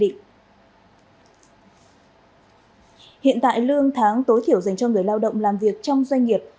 theo quy định hiện tại lương tháng tối thiểu dành cho người lao động làm việc trong doanh nghiệp